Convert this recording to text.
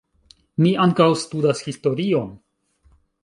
Mi ankaŭ studas historion.